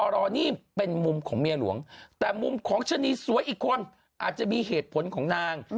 แต่มุมของชะนีสวยอีกคนอาจจะมีเหตุผลของนาง